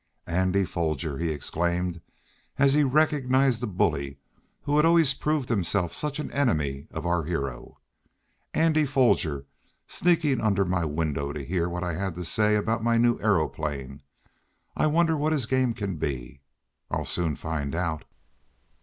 "Andy Foger!" he exclaimed as he recognized the bully who had always proved himself such an enemy of our hero. "Andy Foger sneaking under my windows to hear what I had to say about my new aeroplane! I wonder what his game can be? I'll soon find out!"